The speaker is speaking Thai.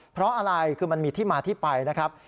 เพราะอะไรคือมันมีที่มาที่ไปนะครับ